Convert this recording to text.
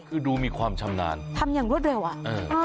คือดูมีความชำนาญทำอย่างรวดเร็วอ่ะเออ